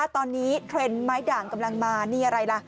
ตอนนี้เทรนด์ไม้ด่างกำลังมานี่อะไรล่ะ